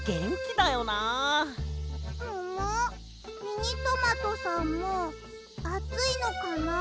ミニトマトさんもあついのかな？